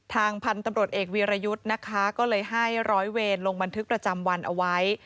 ทางพันธุ์ตำรวจเอกวีรยุทธ์นะคะก็เลยให้ร้อยเวรลงบันทึกประจำวันเอาไว้